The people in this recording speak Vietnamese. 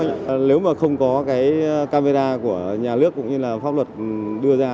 nếu mà không có cái camera của nhà nước cũng như là pháp luật đưa ra